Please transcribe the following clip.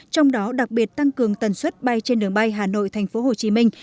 trong đó đặc biệt tăng cường tần suất bay trên đường bay hà nội thành phố hồ chí minh